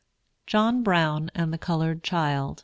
JOHN BROWN AND THE COLORED CHILD.